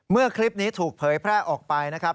เมื่อคลิปนี้ถูกเผยแพร่ออกไปนะครับ